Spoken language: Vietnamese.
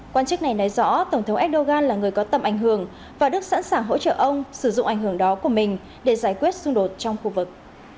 quan chức này nói rõ tổng thống erdogan là người có tầm ảnh hưởng và đức sẵn sàng hỗ trợ ông sử dụng ảnh hưởng đó của mình để giải quyết xung đột trong khu vực